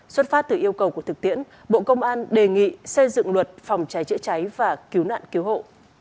xuất phát từ yêu cầu của thực tiễn bộ công an đề nghị xây dựng luật phòng cháy chữa cháy và cứu nạn cứu hộ